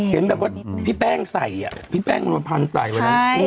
เห็นแบบว่าพี่แป้งใส่พี่แป้งพันใสเนี่ย